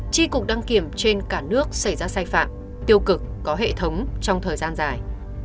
tri cục đăng kiểm trên cả nước xảy ra sai phạm tiêu cực có hệ thống trong thời gian dài